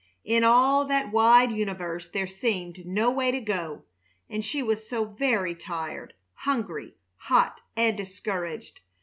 In all that wide universe there seemed no way to go, and she was so very tired, hungry, hot, and discouraged!